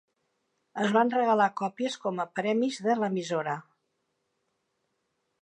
Es van regalar còpies com a premis de l'emissora.